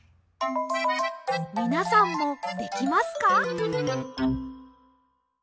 みなさんもできますか？